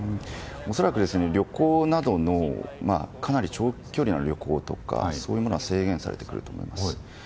恐らくかなり長距離の旅行とかそういうものは制限されてくると思います。